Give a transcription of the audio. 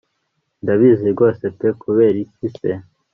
ndabizi rwose pe kuberiki se